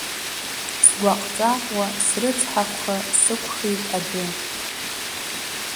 Сгәаҟҵәаҟуа срыцҳахәха сықәхеит адәы.